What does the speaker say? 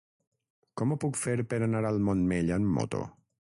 Com ho puc fer per anar al Montmell amb moto?